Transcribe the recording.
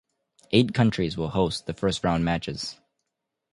Eight countries will host the first round matches.